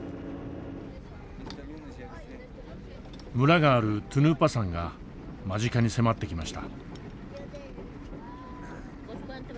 村があるトゥヌーパ山が間近に迫ってきました。